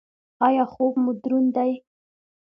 ایا خوب مو دروند دی؟